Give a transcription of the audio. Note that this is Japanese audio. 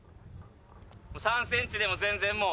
３センチでも全然もう。